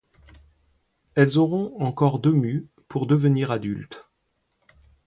Elles auront encore deux mues pour devenir adultes.